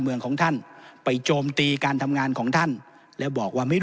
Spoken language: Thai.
เมืองของท่านไปโจมตีการทำงานของท่านแล้วบอกว่าไม่รู้